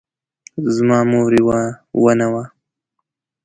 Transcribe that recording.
زما مور یوه ونه وه